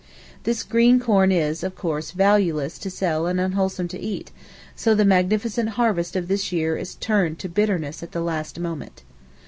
This green corn is, of course, valueless to sell and unwholesome to eat; so the magnificent harvest of this year is turned to bitterness at the last moment.